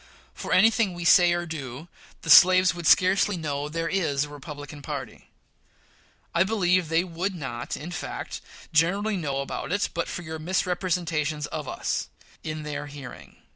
For any thing we say or do, the slaves would scarcely know there is a Republican party. I believe they would not, in fact, generally know it but for your misrepresentations of us in their hearing.